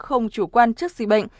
không chủ quan trước dịch bệnh